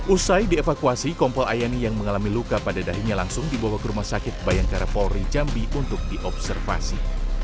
usai dievakuasi kompol ayani yang mengalami luka pada dahinya langsung dibawa ke rumah sakit bayangkara polri jambi untuk diobservasi